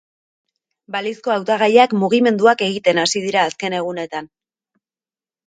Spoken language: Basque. Balizko hautagaiak mugimenduak egiten hasi dira azken egunetan.